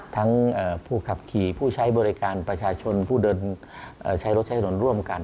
ทั้งผู้ขับขี่ผู้ใช้บริการประชาชนผู้เดินใช้รถใช้ถนนร่วมกัน